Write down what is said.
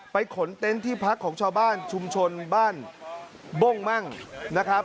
ขนเต็นต์ที่พักของชาวบ้านชุมชนบ้านบ้งมั่งนะครับ